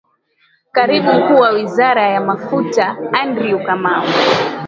Karibu mkuu wa wizara ya mafuta Andrew Kamau